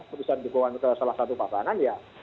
keputusan dibawa ke salah satu pasangan ya